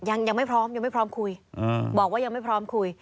ยังไม่พร้อมคุยบอกว่ายังไม่พร้อมคุย